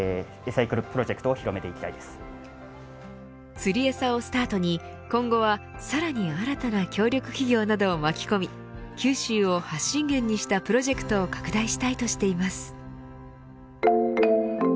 釣りえさをスタートに今後はさらに新たな協力企業などを巻き込み九州を発信元にしたプロジェクトを拡大したいとしています。